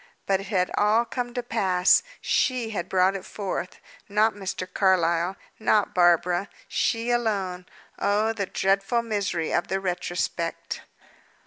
But it had all come to pass. She had brought it forth. Not Mr. Carlyle; not Barbara; she alone. Oh, the dreadful misery of the retrospect!